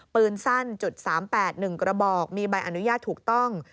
ปืนสั้น๓๘๑กระบอกมีใบอนุญาตถูกต้อง